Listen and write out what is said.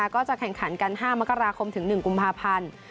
ก็จะแข่งขันกัน๕มกราคมถึง๑กุมภาพันธ์